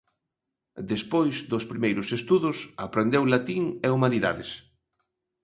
Despois dos primeiros estudos, aprendeu latín e humanidades.